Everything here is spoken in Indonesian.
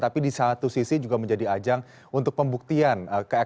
tapi di satu sisi juga menjadi ajang untuk pembuktian